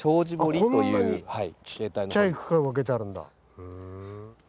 こんなにちっちゃく分けてあるんだ。